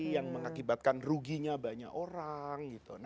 yang mengakibatkan ruginya banyak orang